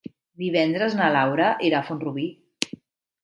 Divendres na Laura irà a Font-rubí.